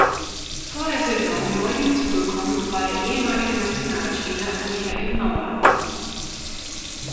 Vor der Saison neu hinzugekommen war der ehemalige Nationalspieler Michael Mauer.